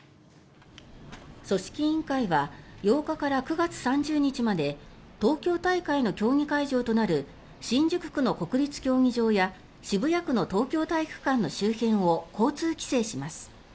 組織委員会は８日から９月３０日まで東京大会の競技会場となる新宿区の国立競技場や渋谷区の東京体育館の周辺を交通規制します。